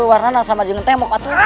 warna gak sama dengan tembok itu